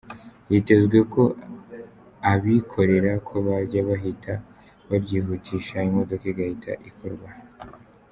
Hitezwe ko abikorera bo bajya bahita babyihutsha, imodoka igahita ikorwa.